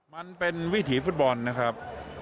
มันเป็นวิถีฟุตบอลนะครับ